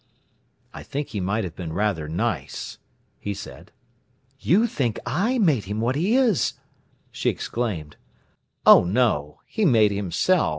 "I think he might have been rather nice," he said. "You think I made him what he is!" she exclaimed. "Oh no! he made himself.